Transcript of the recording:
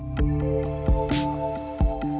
ikan asin dikasih garam besoknya